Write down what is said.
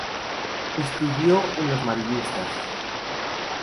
Estudió en los Marianistas.